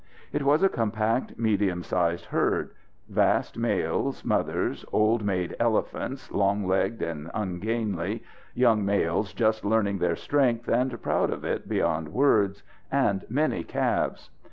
It was a compact, medium sized herd vast males, mothers, old maid elephants, long legged and ungainly, young males just learning their strength and proud of it beyond words, and many calves.